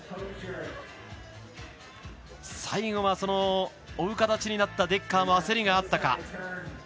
最後は、追う形になったデッカーの焦りがあったか。